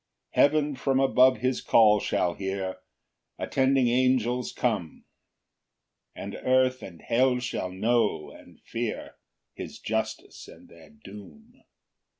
4 Heaven from above his call shall hear, Attending angels come, And earth and hell shall know and fear His justice and their doom.